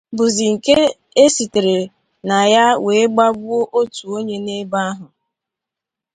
bụzị nke e sitere na ya wee gbagbuo otu onye n'ebe ahụ